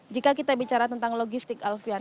jika kita bicara tentang logistik alfian